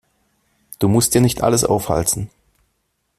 Du musst dir nicht alles aufhalsen.